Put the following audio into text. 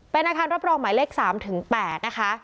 เป็นอาคารรับรองหมายเลข๓๘นะคะ